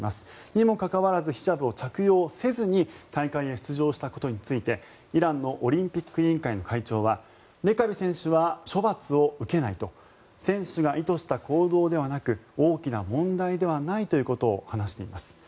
にもかかわらずにヒジャブを着用せずに大会へ出場したことについてイランのオリンピック委員会の会長はレカビ選手は処罰を受けないと選手が意図した行動ではなく大きな問題ではないということを話しています。